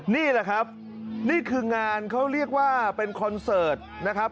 นี่แหละครับนี่คืองานเขาเรียกว่าเป็นคอนเสิร์ตนะครับ